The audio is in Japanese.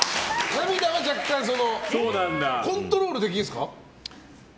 涙はコントロールできるんですか？